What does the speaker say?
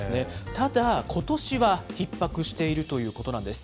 ただ、ことしはひっ迫しているということなんです。